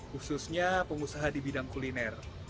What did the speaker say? khususnya pengusaha di bidang kuliner